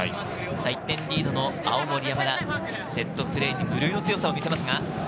１点リードの青森山田、セットプレーに無類の強さを見せます。